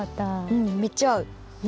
うんめっちゃあう。